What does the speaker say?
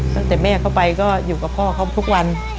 ตั้งแต่แม่เขาไปก็อยู่กับพ่อเขาทุกวัน